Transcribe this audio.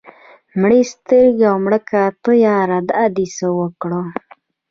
مړې سترګې او مړه کاته ياره دا دې څه اوکړه